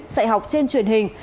dạy học trên truyền hình